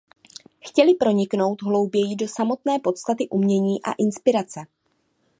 Chtěli proniknout hlouběji do samotné podstaty umění a inspirace.